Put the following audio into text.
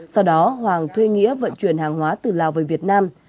sau đó hoàng thuê nghĩa vận chuyển hàng hóa từ lào về việt nam